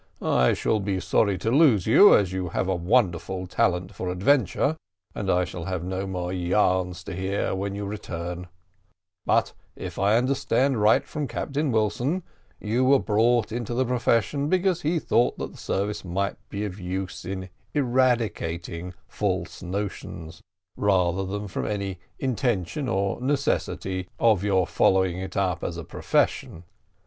I shall be sorry to lose you, as you have a wonderful talent for adventure, and I shall have no more yarns to hear when you return: but, if I understand right from Captain Wilson, you were brought into the profession because he thought that the service might be of use in eradicating false notions, rather than from any intention or necessity of your following it up as a profession."